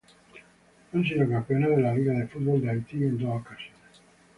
Han sido campeones de la Liga de fútbol de Haití en dos ocasiones.